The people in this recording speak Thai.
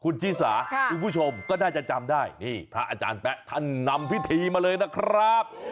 คุณชิสาคุณผู้ชมก็น่าจะจำได้นี่พระอาจารย์แป๊ะท่านนำพิธีมาเลยนะครับ